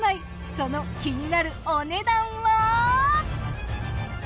その気になるお値段は？